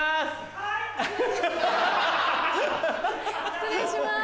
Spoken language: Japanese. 失礼します